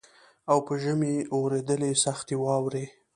او په ژمي اورېدلې سختي واوري